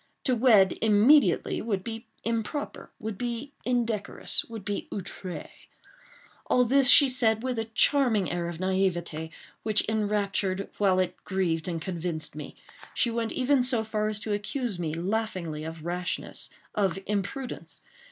To wed immediately would be improper—would be indecorous—would be outre. All this she said with a charming air of naivete which enraptured while it grieved and convinced me. She went even so far as to accuse me, laughingly, of rashness—of imprudence.